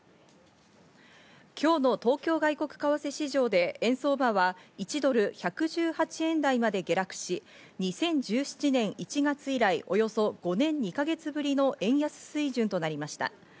今日の東京外国為替市場で円相場は１ドル１１８円台まで下落し、２０１７年１月以来およそ５年２か月ぶりの円安水準となりました。